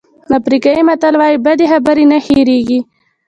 افریقایي متل وایي بدې خبرې نه هېرېږي.